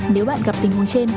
nếu bạn gặp tình huống trên